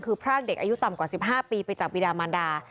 คือพรากเด็กอายุต่ำกว่า๑๕ปีไปจากบิดามันดา